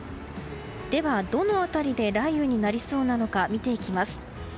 では、どの辺りで雷雨になりそうなのか見ていきます。